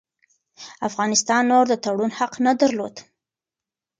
افغانستان نور د تړون حق نه درلود.